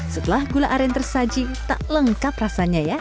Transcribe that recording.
setelah gula aren tersaji tak lengkap rasanya ya